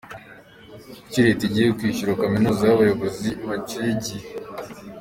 Kuki Leta igiye kwishyurira kaminuza abayobozi bacyuye igihe?.